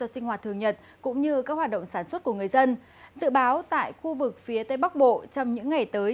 xin kính chào quý vị và các bạn